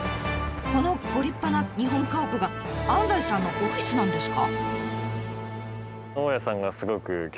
このご立派な日本家屋が安西さんのオフィスなんですか？